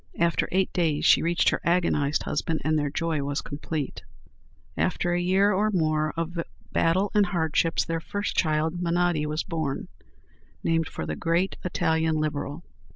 After eight days she reached her agonized husband, and their joy was complete. After a year or more of battles and hardships, their first child, Menotti, was born, named for the great Italian Liberal.